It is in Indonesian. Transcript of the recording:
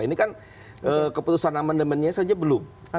ini kan keputusan amandemennya saja belum